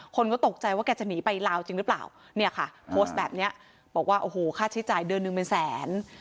คนก็ตกใจว่าแกจะหนีไปลาวจริงหรือเปล่าเนี่ยค่ะโพสต์แบบนี้บอกว่าโอ้โหค่าใช้จ่ายเดือนหนึ่งเป็นแสน